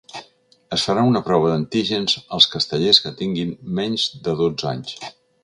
Es farà una prova d’antígens als castellers que tinguin menys de dotze anys.